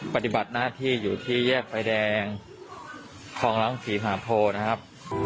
ปฏิบัติหน้าที่อยู่ที่แยกไฟแดงคลองรังศรีมหาโพนะครับ